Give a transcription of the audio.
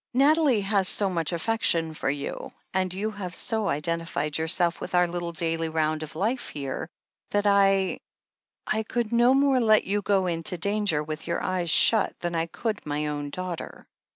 Nathalie has so much affection for you, and you have so identified yourself with our 286 THE HEEL OF ACHILLES little daily round of life here, that I — I could no more let you go into danger with your eyes shut than I could my own daughter."